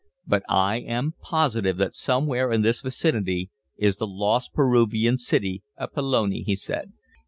"But I am positive that somewhere in this vicinity is the lost Peruvian city of Pelone," he said.